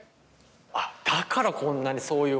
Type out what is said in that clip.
あっだからこんなに。